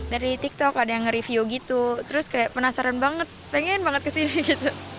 dari tiktok ada yang nge review gitu terus kayak penasaran banget pengen banget kesini gitu